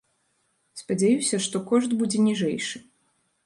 Спадзяюся, што кошт будзе ніжэйшы.